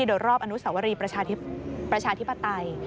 โดยรอบอนุสวรีประชาธิปไตย